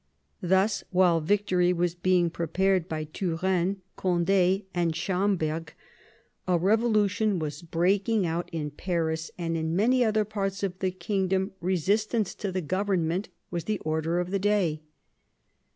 Thus, while victory was being prepared by Turenne, Cond^, and Schomberg, a revolution was breaking out in Paris, and in many other parts of the kingdom resistance to the government was the order of the day.